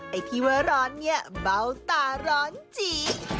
ไอ้ที่ว่าร้อนเนี่ยเบาตาร้อนจี